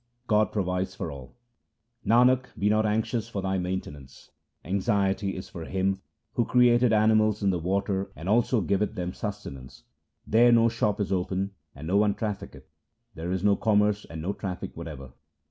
God provides for all :— Nanak, be not anxious for thy maintenance, anxiety is for Him Who created animals in the water and also giveth them sustenance. There no shop is open and no one trafficketh ; There is no commerce and no traffic whatever.